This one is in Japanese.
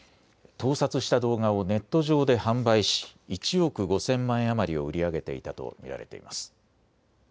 盗撮した動画をネット上で販売し１億５０００万円余りを売り上げていたと見られています。